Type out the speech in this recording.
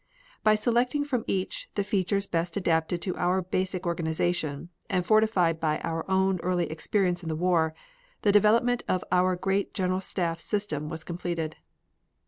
By selecting from each the features best adapted to our basic organization, and fortified by our own early experience in the war, the development of our great General Staff system was completed.